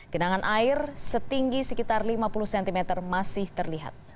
genangan air setinggi sekitar lima puluh cm masih terlihat